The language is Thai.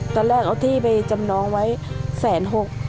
ตอนแรกเอาที่ไปจำนองไว้แสนหก